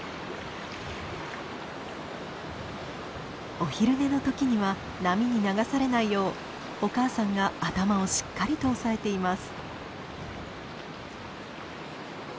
お昼寝の時には波に流されないようお母さんが頭をしっかりと押さえています。